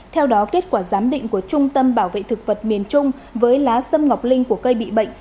theo đó kết quả giám định của trung tâm bảo vệ thực vật miền trung với lá sâm ngọc linh của cây bị bệnh